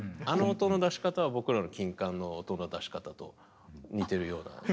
あの音の出し方は僕らの金管の音の出し方と似てるような。